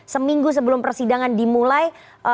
seminggu sebelum persidangan dimulai